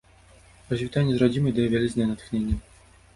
Развітанне з радзімай дае вялізнае натхненне.